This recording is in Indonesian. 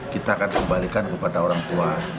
kita akan kembalikan kepada orang tua